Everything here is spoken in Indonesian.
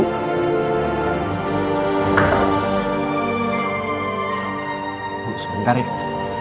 tunggu sebentar ya